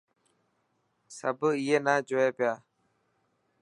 سڀ اي نا جوئي پيا.